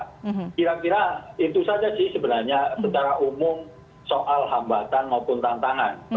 kira kira itu saja sih sebenarnya secara umum soal hambatan maupun tantangan